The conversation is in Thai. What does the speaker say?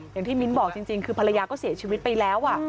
มิ้นบอกจริงคือภรรยาก็เสียชีวิตไปแล้ว